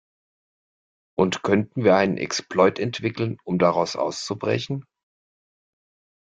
Und könnten wir einen Exploit entwickeln, um daraus auszubrechen?